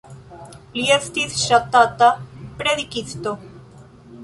Li estis ŝatata predikisto.